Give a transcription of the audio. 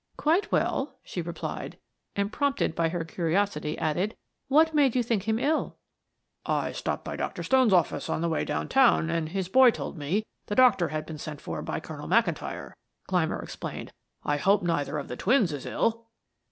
"Quite well," she replied, and prompted by her curiosity added: "What made you think him ill?" "I stopped at Dr. Stone's office on the way down town, and his boy told me the doctor had been sent for by Colonel McIntyre," Clymer explained. "I hope neither of the twins is ill."